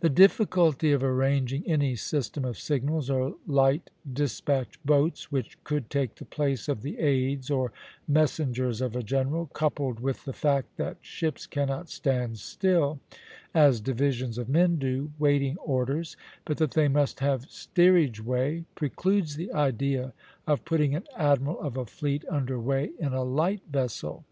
The difficulty of arranging any system of signals or light despatch boats which could take the place of the aids or messengers of a general, coupled with the fact that ships cannot stand still, as divisions of men do, waiting orders, but that they must have steerage way, precludes the idea of putting an admiral of a fleet under way in a light vessel.